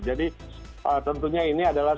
jadi tentunya ini adalah